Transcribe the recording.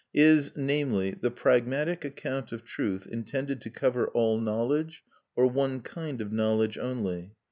Is, namely, the pragmatic account of truth intended to cover all knowledge, or one kind of knowledge only?